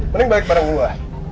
mending balik bareng gue